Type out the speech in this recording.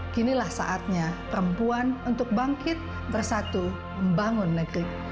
kinilah saatnya perempuan untuk bangkit bersatu membangun negeri